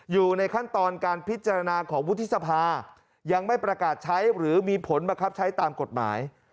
อยู่ในขั้นตอนการพิจารณาของวุฒิสภายังไม่ประกาศใช้หรือมีผลบังคับใช้ตามกฎหมาย